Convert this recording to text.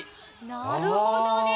なるほどね。